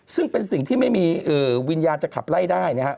ซึ่งเป็นสิ่งที่ไม่มีวิญญาณจะขับไล่ได้นะครับ